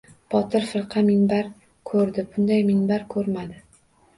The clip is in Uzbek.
Botir firqa minbar ko‘rdi — bunday minbar ko‘rmadi.